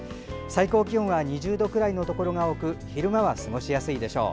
最高気温は２０度くらいのところが多く昼間は過ごしやすいでしょう。